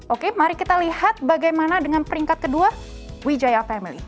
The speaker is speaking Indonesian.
oke mari kita lihat bagaimana dengan peringkat kedua wijaya family